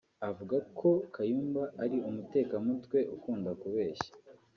Avuga ko Kayumba ari umuteka mutwe ukunda kubeshya